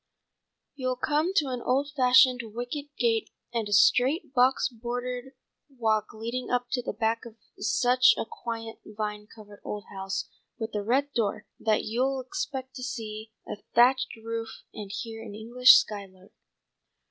You'll come to an old fashioned wicket gate and a straight, box bordered walk leading up to the back of such a quaint vine covered old house with a red door, that you'll expect to see a thatched roof and hear an English skylark."